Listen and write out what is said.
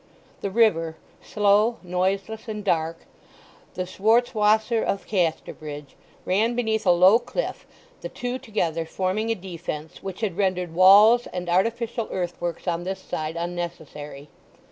The river—slow, noiseless, and dark—the Schwarzwasser of Casterbridge—ran beneath a low cliff, the two together forming a defence which had rendered walls and artificial earthworks on this side unnecessary.